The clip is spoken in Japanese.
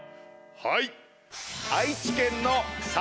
はい！